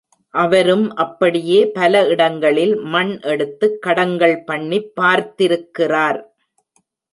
அவரும் அப்படியே பல இடங்களில் மண் எடுத்துக் கடங்கள் பண்ணிப் பார்த்திருக்கிறார்.